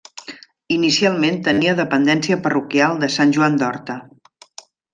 Inicialment tenia dependència parroquial de Sant Joan d'Horta.